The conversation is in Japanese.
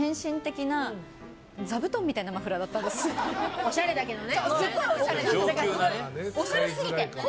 おしゃれだけどね。